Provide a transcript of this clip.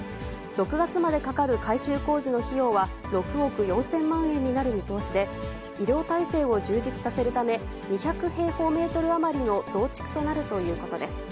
６月までかかる改修工事の費用は６億４０００万円になる見通しで、医療体制を充実させるため、２００平方メートル余りの増築となるということです。